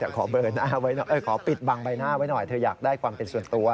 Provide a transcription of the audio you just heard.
แต่ขอปิดบังใบหน้าไว้หน่อยเธออยากได้ความเป็นส่วนตัว